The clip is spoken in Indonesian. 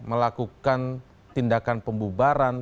melakukan tindakan pembubaran